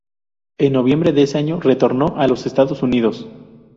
En noviembre de ese año retornó a los Estados Unidos.